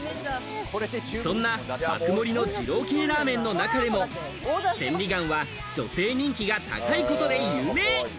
そんな爆盛りの二郎系ラーメンの中でも千里眼は女性人気が高いことで有名。